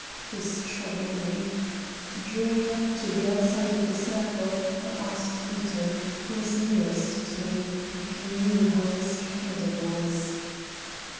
This troubled me. Drawing up to the outside of the circle, I asked Beaton, who was nearest to me, if he knew how Miss Camerden was.